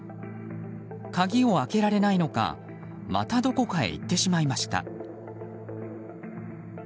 鍵を開けられないのかまたどこかへ行ってしまいました。